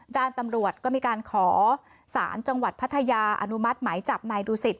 ด้านตำรวจก็มีการขอสารจังหวัดพัทยาอนุมัติหมายจับนายดูสิต